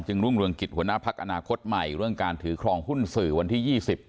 รุ่งเรืองกิจหัวหน้าพักอนาคตใหม่เรื่องการถือครองหุ้นสื่อวันที่๒๐